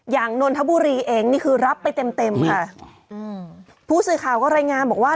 นนทบุรีเองนี่คือรับไปเต็มเต็มค่ะอืมผู้สื่อข่าวก็รายงานบอกว่า